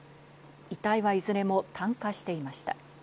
遺体はいずれも炭化していました。